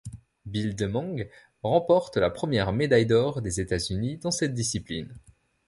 Bill Demong remporte la première médaille d'or des États-Unis dans cette discipline.